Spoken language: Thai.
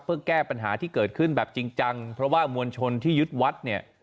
เพื่อแก้ปัญหาที่เกิดขึ้นแบบจริงจังเพราะว่ามวลชนที่ยึดวัดเนี่ย